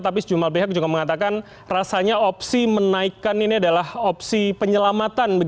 tapi sejumlah pihak juga mengatakan rasanya opsi menaikkan ini adalah opsi penyelamatan